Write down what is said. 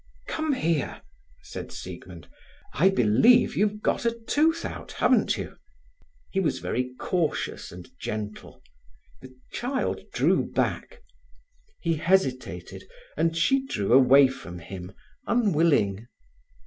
"Come here," said Siegmund. "I believe you've got a tooth out, haven't you?" He was very cautious and gentle. The child drew back. He hesitated, and she drew away from him, unwilling.